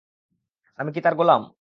আমি কি তার গোলাম?